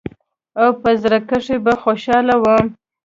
او په زړه کښې به خوشاله وم.